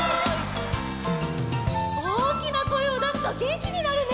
おおきなこえをだすとげんきになるね！